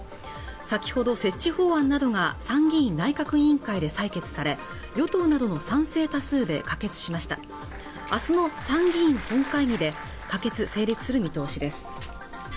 先ほど設置法案などが参議院内閣委員会で採決され与党などの賛成多数で可決しました明日の参議院本会議で可決・成立する見通しです